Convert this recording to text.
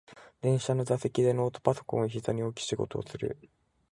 電車の座席でノートパソコンをひざに置き仕事をする